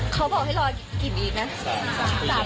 เขาบอกให้รอกี่ปีนะ